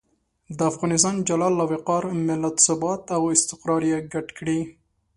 د افغانستان جلال او وقار، ملت ثبات او استقرار یې ګډ کړي.